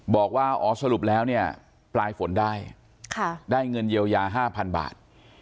บอกว่าอ๋อสรุปแล้วเนี่ยปลายฝนได้ได้เงินเยียวยา๕๐๐๐บาท